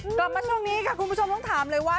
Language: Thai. กลับมาช่วงนี้ค่ะคุณผู้ชมต้องถามเลยว่า